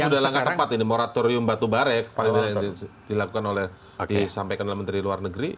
jadi ini sudah langsung yang tepat ini moratorium batubarek yang dirilakukan oleh disampaikan oleh menteri luar negeri